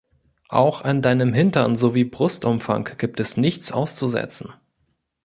Auch an deinem Hintern sowie Brustumfang gibt es nichts auszusetzen.